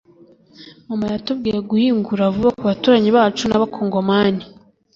Mama yatubwiye guhungira vuba ku baturanyi bacu b’Abakongomani